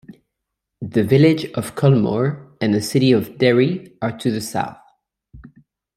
The village of Culmore and the city of Derry are to the south.